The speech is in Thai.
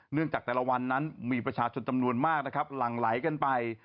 จากแต่ละวันนั้นมีประชาชนจำนวนมากนะครับหลั่งไหลกันไป